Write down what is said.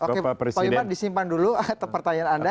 oke pak wimar disimpan dulu pertanyaan anda